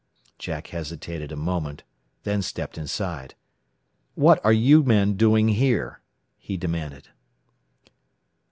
Jack hesitated a moment, then stepped inside. "What are you men doing here?" he demanded.